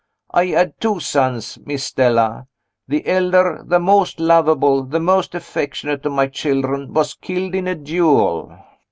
I had two sons, Miss Stella. The elder the most lovable, the most affectionate of my children was killed in a duel."